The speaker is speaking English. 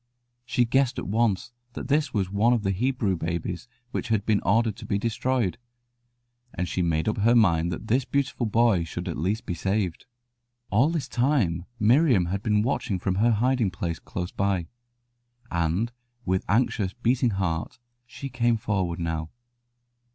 She guessed at once that this was one of the Hebrew babies which had been ordered to be destroyed, and she made up her mind that this beautiful boy should at least be saved. All this time Miriam had been watching from her hiding place close by, and with anxious, beating heart she came forward now.